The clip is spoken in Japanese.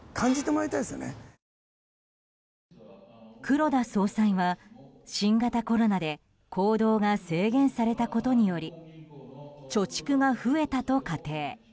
黒田総裁は新型コロナで行動が制限されたことにより貯蓄が増えたと仮定。